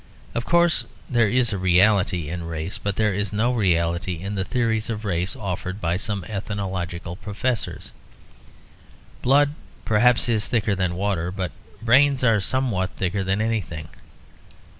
Of course there is a reality in race; but there is no reality in the theories of race offered by some ethnological professors. Blood, perhaps, is thicker than water; but brains are sometimes thicker than anything.